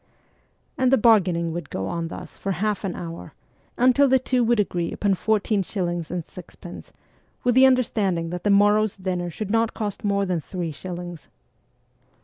And the bargaining would go on thus for half an hour, until the two would agree upon fourteen shillings and sixpence, with the understanding that the morrow's dinner should not cost more than three shillings.